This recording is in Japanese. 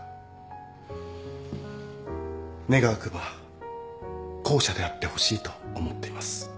願わくば後者であってほしいと思っています。